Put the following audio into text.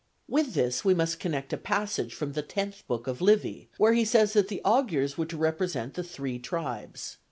With this we must connect a passage from the tenth book of Livy, where he says that the augurs were to represent the three tribes.